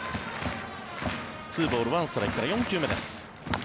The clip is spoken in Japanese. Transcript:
２ボール１ストライクから４球目です。